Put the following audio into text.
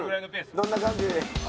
どんな感じ？